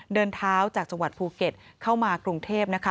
เดินเท้าจากจังหวัดภูเก็ตเข้ามากรุงเทพนะคะ